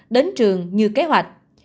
đến trường như kế hoạch